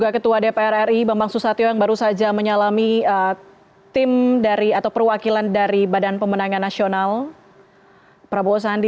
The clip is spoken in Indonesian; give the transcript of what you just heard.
ketua dpr ri bambang susatyo yang baru saja menyalami tim dari atau perwakilan dari badan pemenangan nasional prabowo sandi